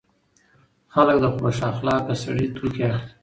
خلک له خوش اخلاقه سړي توکي اخلي.